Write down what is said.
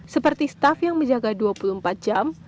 seperti staff yang menjaga dua puluh empat jam